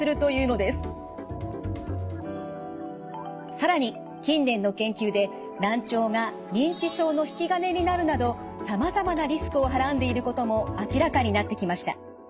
更に近年の研究で難聴が認知症の引き金になるなどさまざまなリスクをはらんでいることも明らかになってきました。